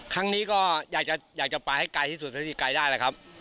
ครั้งนี้ก็อยากจะไปให้ไกลที่สุดเท่าที่ไกลได้แหละครับ